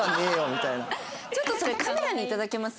ちょっとそれカメラに頂けます？